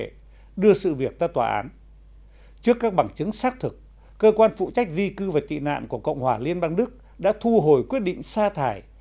trước sự việc ra tòa án trước các bằng chứng xác thực cơ quan phụ trách di cư và tị nạn của cộng hòa liên bang đức đã thu hồi quyết định sa thải